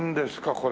これ。